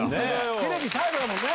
テレビ最後だもんね